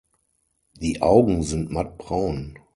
Die Augen sind matt braun.